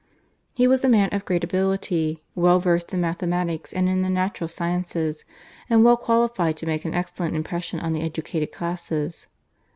He was a man of great ability, well versed in mathematics and in the natural sciences, and well qualified to make an excellent impression on the educated classes.